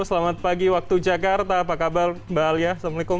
selamat pagi waktu jakarta apa kabar mbak alia assalamualaikum